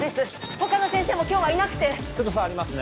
他の先生も今日はいなくてちょっと触りますね